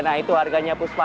nah itu harganya puspa